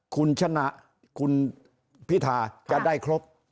คุณชนะคุณพิธาจะได้ครบ